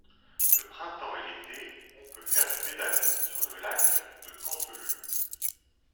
Le printemps et l'été, on peut faire du pédalo sur le Lac de Canteleu.